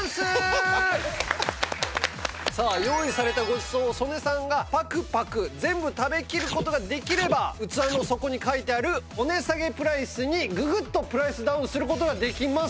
さあ用意されたごちそうを曽根さんがパクパク全部食べきる事ができれば器の底に書いてあるお値下げプライスにググッとプライスダウンする事ができます！